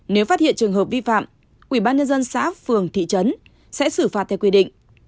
nếu phát hiện trường hợp vi phạm ủy ban nhân dân xã phường thị trấn sẽ xử phạt theo quy định